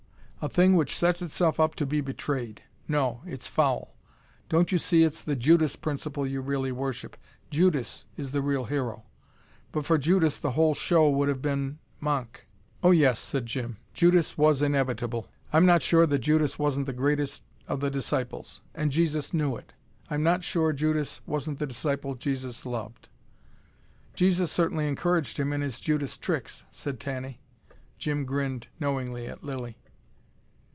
A thing which sets itself up to be betrayed! No, it's foul. Don't you see it's the Judas principle you really worship. Judas is the real hero. But for Judas the whole show would have been manque." "Oh yes," said Jim. "Judas was inevitable. I'm not sure that Judas wasn't the greatest of the disciples and Jesus knew it. I'm not sure Judas wasn't the disciple Jesus loved." "Jesus certainly encouraged him in his Judas tricks," said Tanny. Jim grinned knowingly at Lilly.